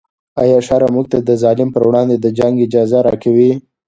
آیا شرع موږ ته د ظالم پر وړاندې د جنګ اجازه راکوي؟